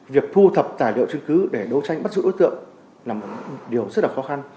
việc thu thập tài liệu chứng cứ để đấu tranh bắt giữ đối tượng là một điều rất là khó khăn